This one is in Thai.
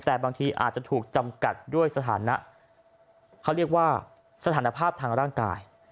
แต่บางทีอาจจะถูกจำกัดด้วยสถานะเขาเรียกว่าสถานภาพทางร่างกาย